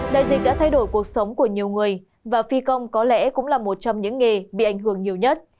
đại dịch đã thay đổi cuộc sống của nhiều người và phi công có lẽ cũng là một trong những nghề bị ảnh hưởng nhiều nhất